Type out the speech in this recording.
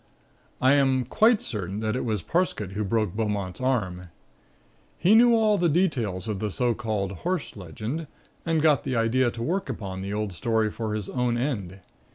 "I am quite certain that it was Parsket who broke Beaumont's arm. He knew all the details of the so called 'Horse Legend,' and got the idea to work upon the old story for his own end.